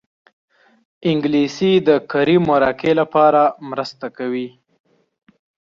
انګلیسي د کاري مرکې لپاره مرسته کوي